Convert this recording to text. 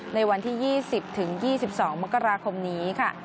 ในวันที่๒๐ถึง๒๒มกราคมนี้ค่ะ